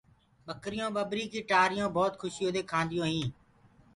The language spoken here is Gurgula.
ٻڪريونٚ ٻٻريٚ ڪيٚ ٽآريٚ بهوت کُشيو دي کآنديو هينٚ۔